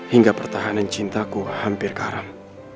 hingga pertahanan cintaku hampir karam